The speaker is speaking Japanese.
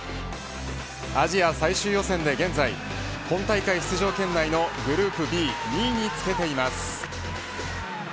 アジア最終予選で現在本大会出場圏内のグループＢ２位につけています。